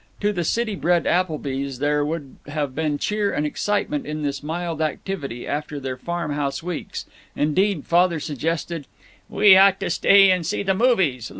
To the city bred Applebys there would have been cheer and excitement in this mild activity, after their farm house weeks; indeed Father suggested, "We ought to stay and see the movies.